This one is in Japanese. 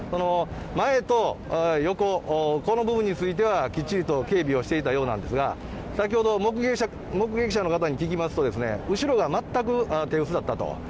前と横、この部分についてはきっちりと警備をしていたようなんですが、先ほど、目撃者の方に聞きますと、後ろが全く手薄だったと。